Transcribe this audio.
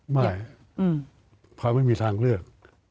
ไม่พอไม่มีทางเลือก